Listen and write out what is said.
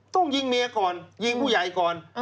ต้องยิงเมียก่อนยิงผู้ใหญ่ก่อน